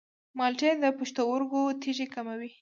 مالټې د پښتورګو تیږې کموي.